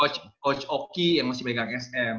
coach oki yang masih pegang sm